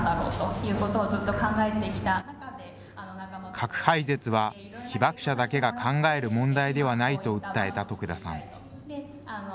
核廃絶は、被爆者だけが考える問題ではないと訴えた徳田さん。